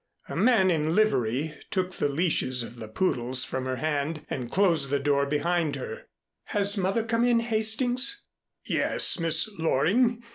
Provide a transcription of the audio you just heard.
A man in livery took the leashes of the poodles from her hand and closed the door behind her. "Has Mother come in, Hastings?" "Yes, Miss Loring.